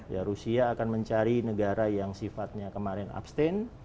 ya rusia akan mencari negara yang sifatnya kemarin abstain